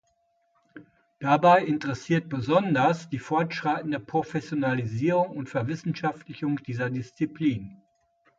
Dabei interessiert besonders die fortschreitende Professionalisierung und Verwissenschaftlichung dieser Disziplin.